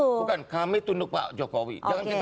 bukan kami tunduk pak jokowi